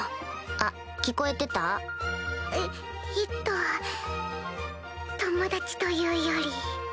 あっ聞こえてた？ええっと友達というより。